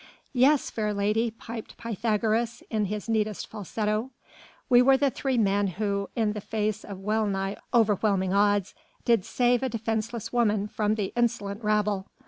"Yes, fair lady," piped Pythagoras, in his neatest falsetto, "we were the three men who, in the face of well nigh overwhelming odds, did save a defenceless woman from the insolent rabble.